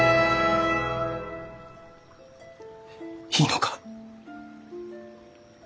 いいのか？